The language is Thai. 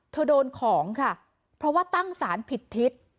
โดนของค่ะเพราะว่าตั้งสารผิดทิศ